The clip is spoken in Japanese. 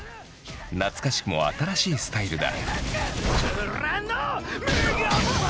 懐かしくも新しいスタイルだ。